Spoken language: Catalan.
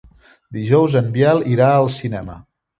Dijous en Biel irà al cinema.